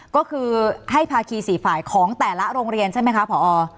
ก็คือให้ภาคี๔ฝ่ายของแต่ละโรงเรียนใช่ไหมคะผอ